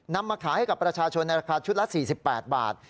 มาขายให้กับประชาชนในราคาชุดละ๔๘บาท